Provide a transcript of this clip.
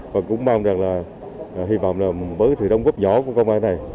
và cũng mong rằng là hy vọng là với sự đóng góp nhỏ của công an này